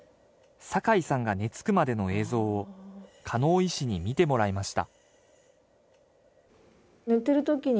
酒井さんが寝つくまでの映像を金生医師に見てもらいました